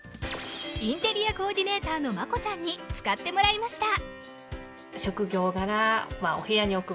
インテリアコーディネーターのＭＡＫＯさんに使ってもらいました